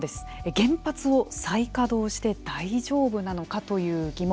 原発を再稼働して大丈夫なのかという疑問。